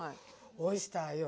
オイスターよ。